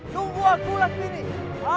tunggu aku langsung ini